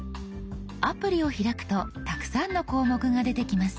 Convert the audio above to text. アプリを開くとたくさんの項目が出てきます。